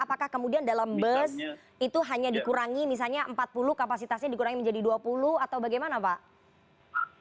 apakah kemudian dalam bus itu hanya dikurangi misalnya empat puluh kapasitasnya dikurangi menjadi dua puluh atau bagaimana pak